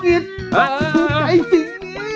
ใครจริงเนี่ย